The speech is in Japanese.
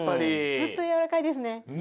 ずっとやわらかいですね。